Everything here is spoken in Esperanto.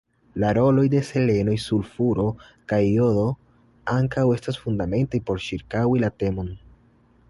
La roloj de seleno sulfuro kaj jodo anakŭ ests fundamentaj por cirkaŭi la temon.